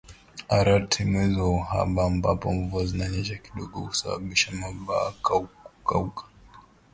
Arat ni Mwezi wa uhaba ambapo mvua zinanyesha kidogo husababisha mabwawa kukauka